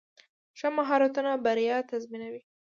ښه مهارتونه بریا تضمینوي.